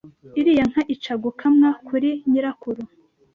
iriya nka ica gukamwa kuri nyirakuru